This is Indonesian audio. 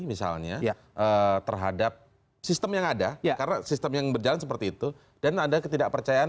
misalnya terhadap sistem yang ada karena sistem yang berjalan seperti itu dan ada ketidakpercayaan